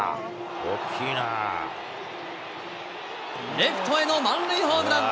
レフトへの満塁ホームラン。